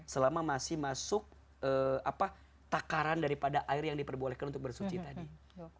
selama masih masuk takaran daripada air yang diperbolehkan untuk bersuci tadi